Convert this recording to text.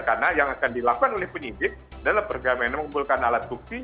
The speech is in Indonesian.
karena yang akan dilakukan oleh penyidik adalah bergabung mengumpulkan alat bukti